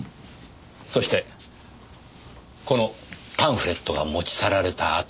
そしてこのパンフレットが持ち去られたあと